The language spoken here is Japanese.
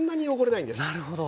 なるほど。